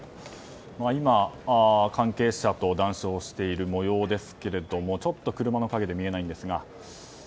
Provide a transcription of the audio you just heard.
今は関係者と談笑している模様ですけれども車の影で見えないんですが。